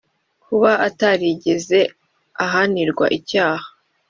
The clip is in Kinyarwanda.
kuba atarigeze ahanirwa icyaha